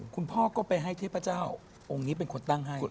คุณพ่อก็ไปให้เทพเจ้าองค์นี้เป็นคนตั้งให้